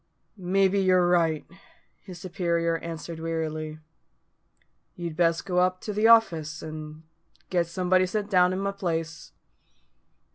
"Maybe you're right," his superior answered wearily. "You'd best go up to the office, and get somebody sent down i' my place.